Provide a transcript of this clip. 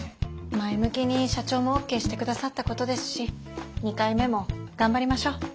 前向きに社長もＯＫして下さったことですし２回目も頑張りましょう。